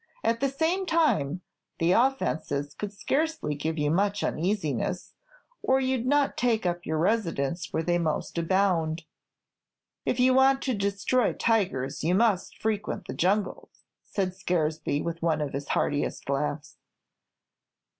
"At the same time, the offences could scarcely give you much uneasiness, or you 'd not take up your residence where they most abound." "If you want to destroy tigers, you must frequent the jungle," said Scaresby, with one of his heartiest laughs.